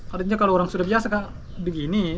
artinya kalau orang sudah biasa kak begini